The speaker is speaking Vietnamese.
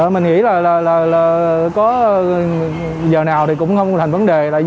mình nghĩ là có giờ nào thì cũng không thành vấn đề